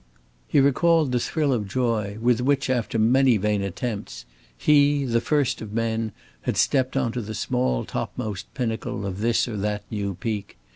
He recalled the thrill of joy with which, after many vain attempts, he, the first of men, had stepped on to the small topmost pinnacle of this or that new peak.